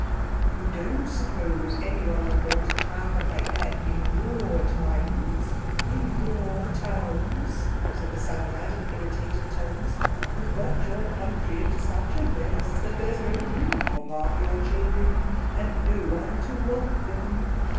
_" "You don't suppose anyone would want a child like that in your times—in your towns?" said the Psammead in irritated tones. "You've got your country into such a mess that there's no room for half your children—and no one to want them."